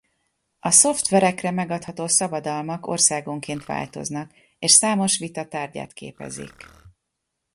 A szoftverekre megadható szabadalmak országonként változnak és számos vita tárgyát képezik.